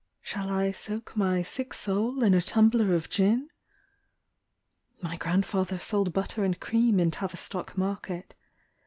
Shall I soak my sick soul in a tumbler of gin ? My grandfather sold butter and cream in Tavistock market.